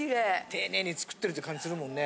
丁寧に作ってるっていう感じするもんね。